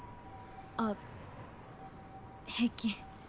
あっ平気。